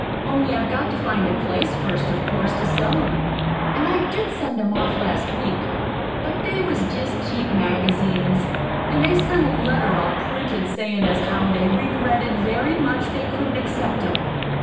Only I've got to find a place, first, of course, to sell 'em. An' I did send 'em off last week. But they was jest cheap magazines; an' they sent a letter all printed sayin' as how they regretted very much they couldn't accept 'em.